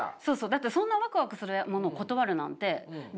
だってそんなワクワクするものを断るなんて人生もったいない。